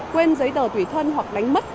quên giấy tờ tùy thân hoặc đánh mất